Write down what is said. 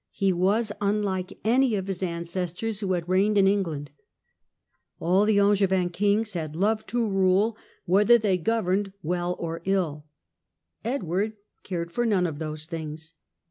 He was unlike any of his ancestors who had reigned in England. All the Angevin kings had loved Edward's to rule, whether they governed well or ill. character. Edward cared for none of those things.